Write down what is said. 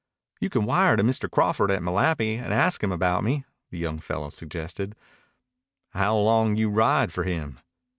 "You can wire to Mr. Crawford at Malapi and ask him about me," the young fellow suggested. "How long you ride for him?"